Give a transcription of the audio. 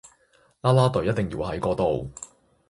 啦啦隊一定要喺嗰度